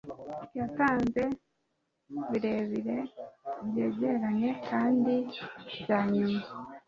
yatanze birebire, byegeranye kandi byanyuma